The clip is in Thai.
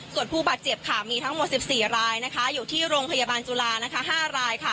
ส่วนผู้บาดเจ็บค่ะมีทั้งหมด๑๔รายอยู่ที่โรงพยาบาลจุฬา๕รายค่ะ